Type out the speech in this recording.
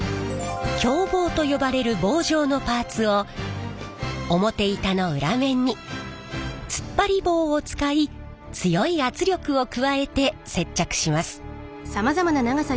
響棒と呼ばれる棒状のパーツを表板の裏面に突っ張り棒を使い強い圧力を加えて接着します。